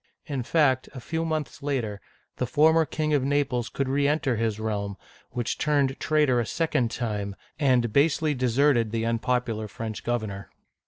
In fact, a few months later, the former King of Naples could reenter his realm, which turned traitor a second time, and basely deserted the unpopular French governor.